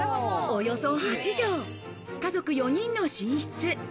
およそ８畳、家族４人の寝室。